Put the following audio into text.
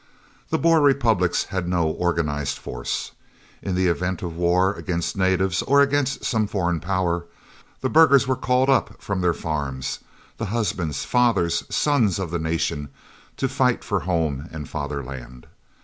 The Boer Republics had no organised force. In the event of war against natives or against some foreign Power, the burghers were called up from their farms, the husbands, fathers, sons of the nation, to fight for home and fatherland.